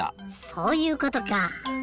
そういうことか。